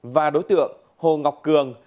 và đối tượng hồ ngọc cường